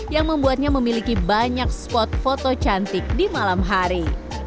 yang membuatnya memiliki banyak spot foto cantik di malam hari